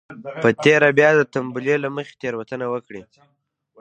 په تېره بيا د تنبلۍ له مخې تېروتنه وکړي.